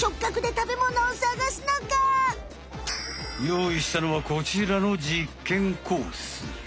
用意したのはこちらの実験コース。